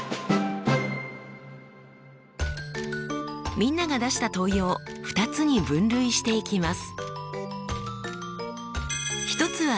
みんなが出した問いを２つに分類していきます。